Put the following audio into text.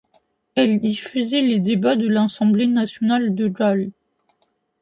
Elle diffusait les débats de l'Assemblée nationale de Galles.